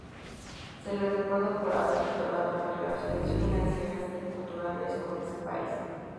Se le recuerda por haber restaurado las relaciones financieras y culturales con ese país.